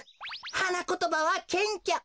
はなことばはけんきょ。